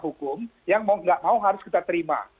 hukum yang mau nggak mau harus kita terima